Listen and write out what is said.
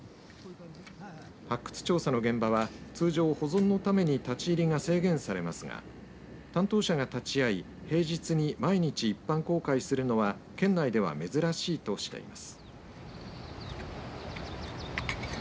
発掘調査の現場は通常、保存のために立ち入りが制限されますが担当者が立ち会い平日に毎日一般公開するのは県内では珍しいとしています。